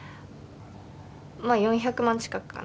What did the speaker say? まあ４００万近くかな。